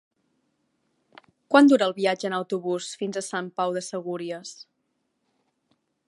Quant dura el viatge en autobús fins a Sant Pau de Segúries?